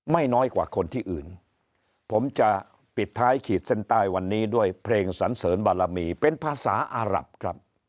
น้อยกว่าคนที่อื่นผมจะปิดท้ายขีดเส้นใต้วันนี้ด้วยเพลงสันเสริญบารมีเป็นภาษาอารับครับ